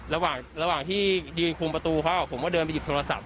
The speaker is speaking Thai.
ระหว่างที่ยืนคุมประตูเขาผมก็เดินไปหยิบโทรศัพท์